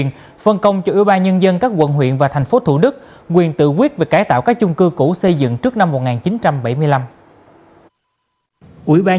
đăng ký đăng ký đăng ký